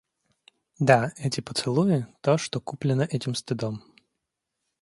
Да, эти поцелуи — то, что куплено этим стыдом.